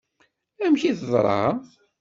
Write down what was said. Amek i teḍṛa?